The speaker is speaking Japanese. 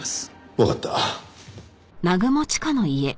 わかった。